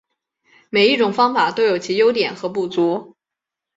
每一种方法都有其优点和不足。